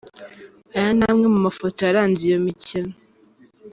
Aya ni amwe mu mafoto yaranze iyo mikino.